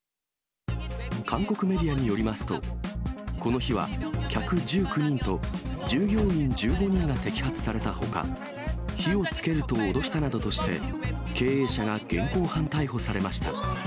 韓国メディアによりますと、この日は客１９人と、従業員１５人が摘発されたほか、火をつけると脅したなどとして、経営者が現行犯逮捕されました。